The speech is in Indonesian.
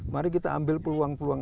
mari kita ambil peluang peluang